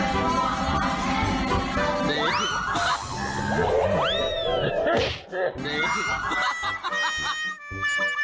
ดี